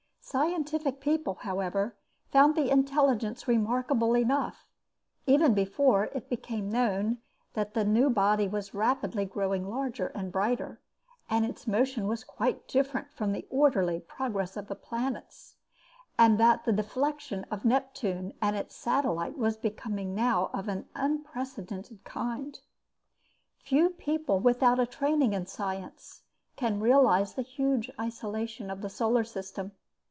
Scientific people, however, found the intelligence remarkable enough, even before it became known that the new body was rapidly growing larger and brighter, that its motion was quite different from the orderly progress of the planets, and that the deflection of Neptune and its satellite was becoming now of an unprecedented kind. Few people without a training in science can realise the huge isolation of the solar system.